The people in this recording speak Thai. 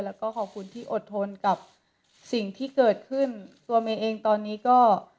แล้วก็ขอบคุณที่อดทนกับสิ่งที่เกิดขึ้นตัวเมย์เองตอนนี้ก็